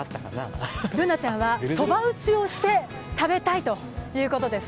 Ｂｏｏｎａちゃんはそば打ちをして食べたいということです。